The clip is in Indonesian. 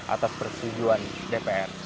atas persetujuan dpr